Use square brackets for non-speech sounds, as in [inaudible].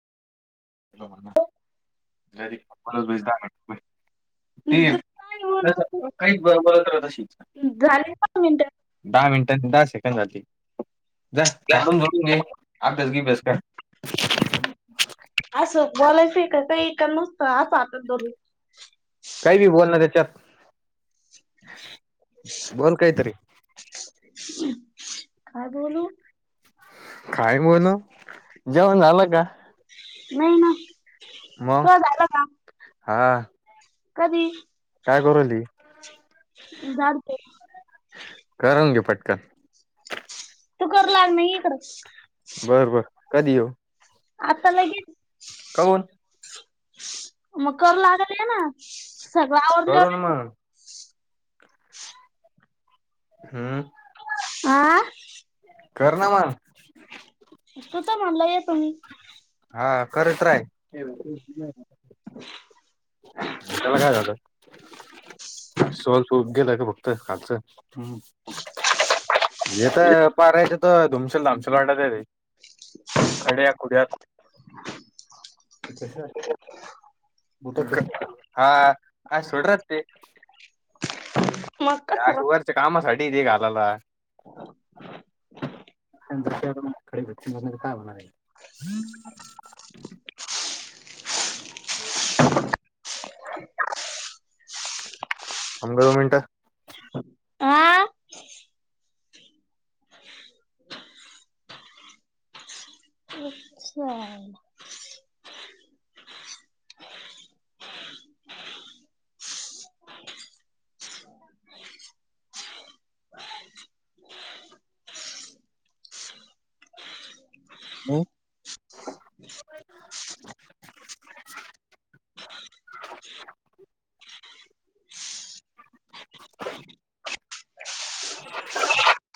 [unintelligible] घरी पप्पा [unintelligible] [inaudible] झाले पाच मिनिट दहा मिनटं न दहा सेकंड झालती. जा झाडून- झुडून घे. अभ्यास- बिब्यास कर. असं बोलायच का काही? का नुसत आपापलं धरू. काही बी बोलना त्याच्यात. बोल काहीतरी. काय बोलू? काय बोलू? जेवण झालं का? नाइ ना. मग? तुझं झालं का हा. कधी? काय करून राहिली? झाडते करून घे पटकन. तू करू लाग न, इ इकडं. बर बर कधी येऊ आता लगेच. करून मग करु लागाले ये ना. सगळ करून आवरल्यावर येतो का? मग हम्म. आं. करना मग ह तू तर म्हणला येतो मी. हा करत राय. [unintelligible] त्याला काय झालं, स गेलाय का फक्त खालचं,, हम्म. हे तर पारायच तर धुमशलधामशल वाटेतते,, खड्या खुड्यात ते कस बुट हैत खाली [unintelligible] हा, अ सोड रं ते मग कसं र अशे वरच्या कामासाठी येते घालाला [unintelligible] [inaudible] [inaudible] पंधरा मिनटं. आंऽऽ [inaudible] अच्छा. [inaudible] अं.